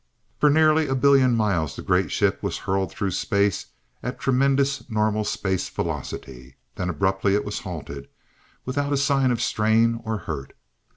For nearly a billion miles the great ship was hurled through space at tremendous normal space velocity. Then abruptly it was halted, without a sign of strain or hurt.